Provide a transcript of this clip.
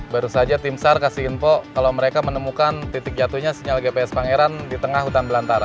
baru saja tim sar kasih info kalau mereka menemukan titik jatuhnya sinyal gps pangeran di tengah hutan belantara